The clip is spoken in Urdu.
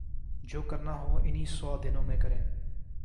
جو کرنا ہو انہی سو دنوں میں کریں۔